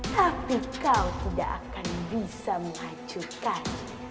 tapi kau tidak akan bisa mengacukan